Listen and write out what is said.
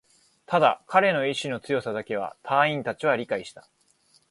ただ、彼の意志の強さだけは隊員達は理解した